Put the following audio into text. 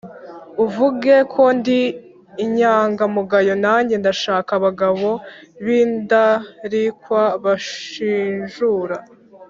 Uvuge ko ndi inyangamugayo, nange ndashaka abagabo b’indarikwa banshinjura